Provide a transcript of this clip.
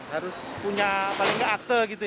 harus punya paling nggak akte gitu ya